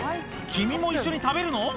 君も一緒に食べるの？